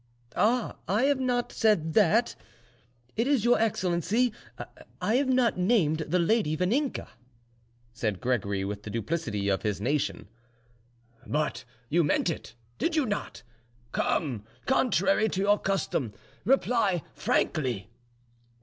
"Ah! I have not said that: it is your excellency. I have not named the lady Vaninka," said Gregory, with the duplicity of his nation. "But you meant it, did you not? Come, contrary to your custom, reply frankly."